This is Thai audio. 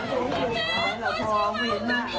อิพออยู่ใจอิพอ